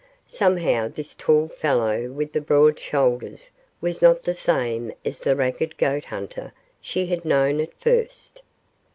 Somehow this tall fellow with the broad shoulders was not the same as the ragged goat hunter she had known at first.